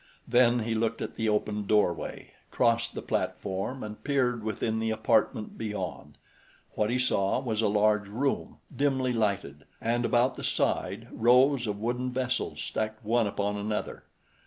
Then he looked at the open doorway, crossed the platform and peered within the apartment beyond. What he saw was a large room, dimly lighted, and about the side rows of wooden vessels stacked one upon another.